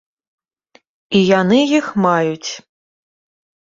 І яны іх маюць.